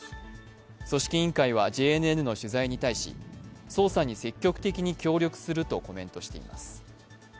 組織委員会はＪＮＮの取材に対し捜査に積極的に協力するとコメントしています。